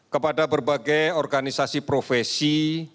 kepada berbagai organisasi profesi